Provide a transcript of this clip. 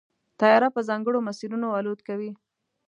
طیاره په ځانګړو مسیرونو الوت کوي.